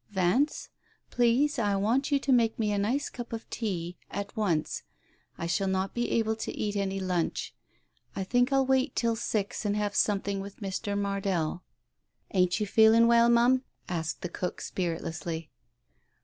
"Vance, please I want you to make me a nice cup of tea — at once. I shall not be able to eat any lunch. I think I'll wait till six, and have something with Mr. Mardell." "Ain't you feeling well, Ma'am?" asked the cook spiritlessly.